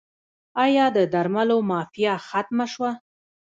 آیا د درملو مافیا ختمه شوه؟